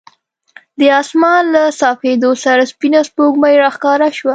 د اسمان له صافېدو سره سپینه سپوږمۍ راښکاره شوه.